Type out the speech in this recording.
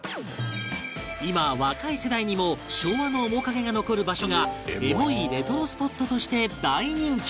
今若い世代にも昭和の面影が残る場所がエモいレトロスポットとして大人気